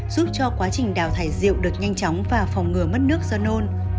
giúp cho quá trình đào thải rượu được nhanh chóng và phòng ngừa mất nước do nôn